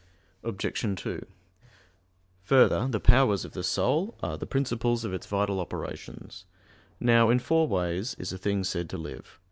Obj. 2: Further, the powers of the soul are the principles of its vital operations. Now, in four ways is a thing said to live.